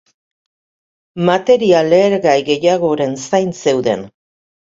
Material lehergai gehiagoren zain zeuden.